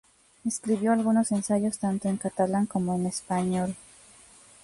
Escribió algunos ensayos, tanto en catalán como en español.